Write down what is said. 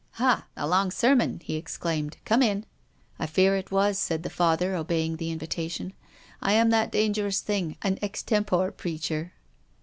" Ha, a long sermon !" he exclaimed. "Come in." " I fear it was," said the Father, obeying the invitation. " I am that dangerous thing — an ex tempore preacher."